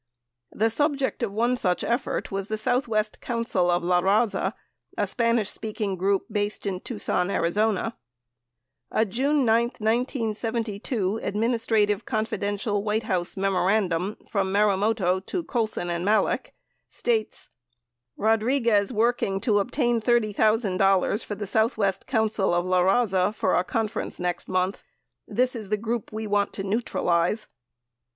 The subject of one such effort was the Southwest Council of LaRaza, a Spanish speaking group based in Tucson, Ariz. A June 9, 1972, "Administrative Confidential" White House memorandum from Marumoto to Colson and Malek states : Rodriguez working to obtain $30,000 for the Southwest Council of LaRaza for a conference next month. This is the group we want to neutralize.